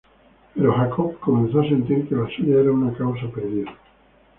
Pero Jacob comenzó a sentir que la suya era una causa perdida.